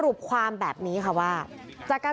เมื่อวานแบงค์อยู่ไหนเมื่อวาน